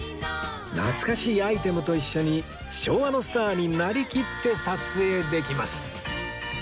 懐かしいアイテムと一緒に昭和のスターになりきって撮影できます